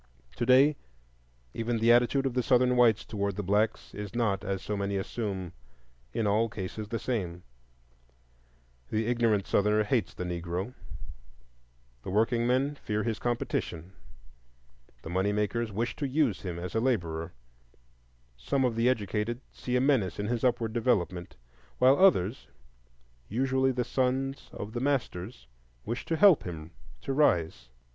Today even the attitude of the Southern whites toward the blacks is not, as so many assume, in all cases the same; the ignorant Southerner hates the Negro, the workingmen fear his competition, the money makers wish to use him as a laborer, some of the educated see a menace in his upward development, while others—usually the sons of the masters—wish to help him to rise.